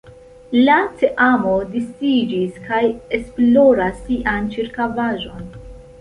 La teamo disiĝis kaj esploras sian ĉirkaŭaĵon.